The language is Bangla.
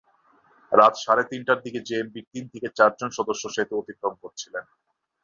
রাত সাড়ে তিনটার দিকে জেএমবির তিন থেকে চারজন সদস্য সেতু অতিক্রম করছিলেন।